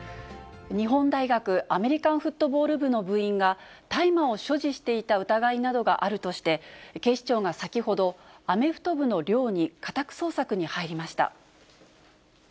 日本大学アメリカンフットボール部の部員が、大麻を所持していた疑いなどがあるとして、警視庁が先ほど、アメフト部の寮に家宅捜索に入りました。